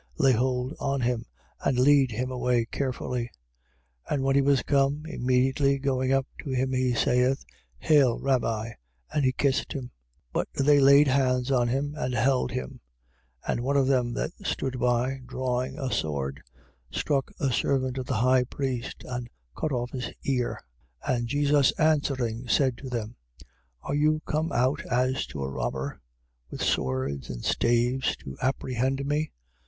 Lay hold on him: and lead him away carefully. 14:45. And when he was come, immediately going up to him he saith: Hail, Rabbi! And he kissed him. 14:46. But they laid hands on him and held him. 14:47. And one of them that stood by, drawing a sword, struck a servant of the chief priest and cut off his ear. 14:48. And Jesus answering, said to them: Are you come out as to a robber, with swords and staves to apprehend me?